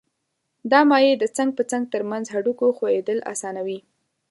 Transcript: دا مایع د څنګ په څنګ تر منځ هډوکو ښویېدل آسانوي.